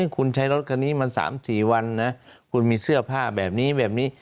คุณใช้รถคันนี้มา๓๔วันนะคุณมีเสื้อผ้าแบบนี้แบบนี้